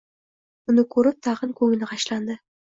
Uni ko`rib, tag`in ko`ngli g`ashlandi